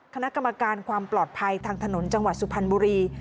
คณะกรรมการความปลอดภัยทางถนนจังหวัดสุพรรณบุรี